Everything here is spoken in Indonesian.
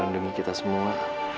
mendengar kita semua